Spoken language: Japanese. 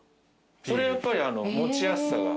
それやっぱり持ちやすさが。